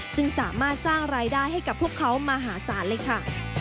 ซึ่งสามารถสร้างรายได้ให้กับพวกเขามหาศาลเลยค่ะ